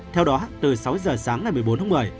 theo đó từ sáu giờ sáng ngày một mươi bốn tháng một mươi